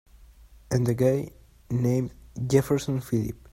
And a guy named Jefferson Phillip.